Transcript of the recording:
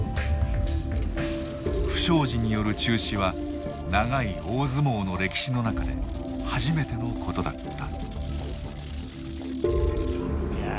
不祥事による中止は長い大相撲の歴史の中で初めてのことだった。